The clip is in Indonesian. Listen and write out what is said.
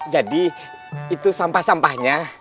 jadi itu sampah sampahnya